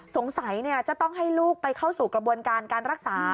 จะต้องให้ลูกไปเข้าสู่กระบวนการการรักษา